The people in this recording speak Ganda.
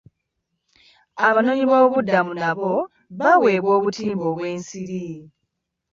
Abanoonyi b'obubuddamu nabo baweebwa obutimba bw'ensiri.